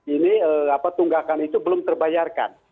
ini tunggakan itu belum terbayarkan